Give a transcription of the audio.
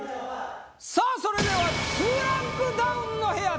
さあそれでは２ランクダウンの部屋